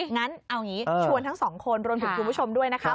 งั้นเอางี้ชวนทั้งสองคนรวมถึงคุณผู้ชมด้วยนะคะ